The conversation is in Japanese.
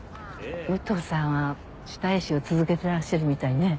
武藤さんは下絵師を続けてらっしゃるみたいね。